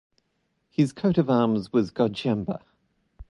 His coat of arms was Godziemba.